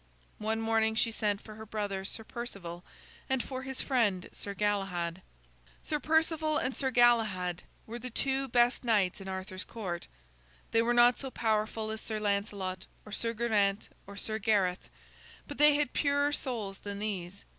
One morning she sent for her brother, Sir Perceval, and for his friend, Sir Galahad. Sir Perceval and Sir Galahad were the two best knights in Arthur's Court. They were not so powerful as Sir Lancelot or Sir Geraint or Sir Gareth, but they had purer souls than these.